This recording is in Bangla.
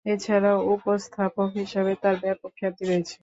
এছাড়াও উপস্থাপক হিসেবে তার ব্যাপক খ্যাতি রয়েছে।